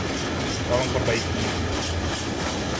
Tolong perbaiki ini.